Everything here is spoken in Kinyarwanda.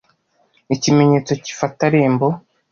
ikimenyetso k’ifata rembo.